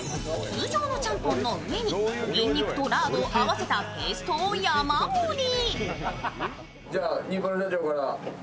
通常のちゃんぽんの上にニンニクとラードを合わせたペーストを山盛り。